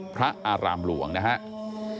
พระอารามหลวงนะครับ